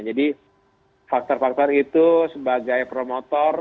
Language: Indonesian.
jadi faktor faktor itu sebagai promotor